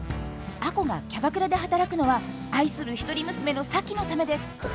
亜子がキャバクラで働くのは愛する一人娘の咲妃のためです。